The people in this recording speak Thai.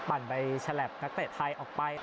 ปั่นไปฉลับนักเตะไทยออกไป